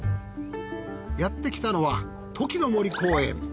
やってきたのはトキの森公園。